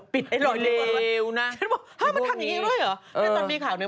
ปิดไอ้หลอยนิดหน่อยฉันบอกว่ามันทำอย่างนี้ด้วยเหรอแล้วตอนมีข่าวเนี่ย